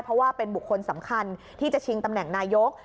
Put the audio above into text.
เพราะว่าเป็นบุคคลสำคัญที่จะชิงตำแหน่งนายก